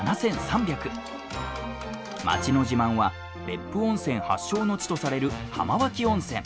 町の自慢は別府温泉発祥の地とされる浜脇温泉。